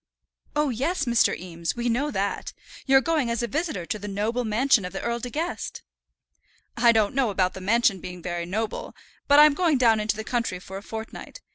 "Oh, yes, Mr. Eames, we know that. You're going as a visitor to the noble mansion of the Earl De Guest." "I don't know about the mansion being very noble, but I'm going down into the country for a fortnight.